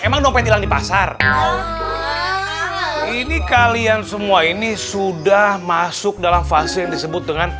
emang dompet hilang di pasar ini kalian semua ini sudah masuk dalam fase yang disebut dengan